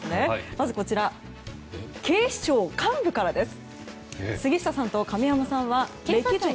まず、警察庁幹部からです。